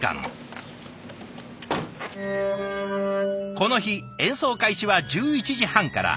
この日演奏開始は１１時半から。